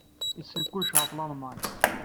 Yessen kullec ɣef Lalman.